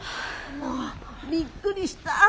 もうびっくりした。